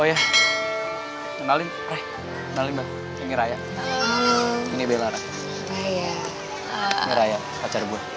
oh iya ngenalin ini raya ini bella ini raya pacar gue